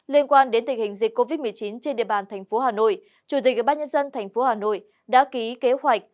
liên quan đến tình hình dịch covid một mươi chín trên địa bàn tp hà nội chủ tịch bác nhân dân tp hà nội đã ký kế hoạch